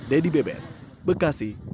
dedy bebet bekasi